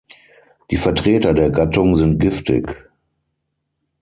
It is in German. Die Vertreter der Gattung sind giftig.